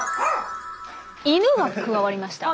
イヌが加わりました。